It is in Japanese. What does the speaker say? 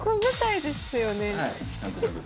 はい。